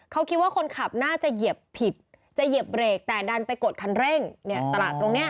เขาคิดว่าคนขับน่าจะเหยียบผิดจะเหยียบเบรกแต่ดันไปกดคันเร่งเนี่ยตลาดตรงนี้